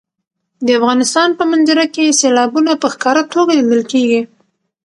د افغانستان په منظره کې سیلابونه په ښکاره توګه لیدل کېږي.